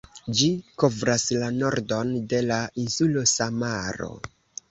Ĝi kovras la nordon de la insulo Samaro.